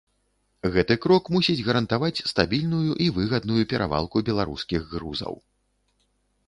Гэты крок мусіць гарантаваць стабільную і выгадную перавалку беларускіх грузаў.